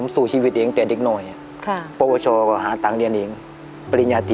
เก่งมากค่ะคุณก๊อฟเก่งมาก